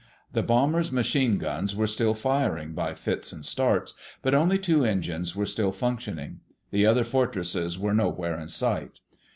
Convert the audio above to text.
The bomber's machine guns were still firing, by fits and starts, but only two engines were still functioning. The other Fortresses were nowhere in sight.